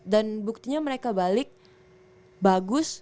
dan buktinya mereka balik bagus